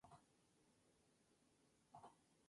Está formado por una serie de bosques y reservas naturales.